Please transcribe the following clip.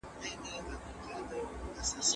مالي چارې په خپله اداره کړه.